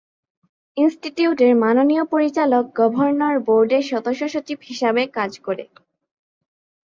ইনস্টিটিউটের মাননীয় পরিচালক গভর্নর বোর্ডের সদস্য-সচিব হিসাবে কাজ করে।